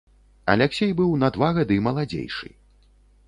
Аляксей быў на два гады маладзейшы.